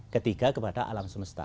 ketiga kepada alam semesta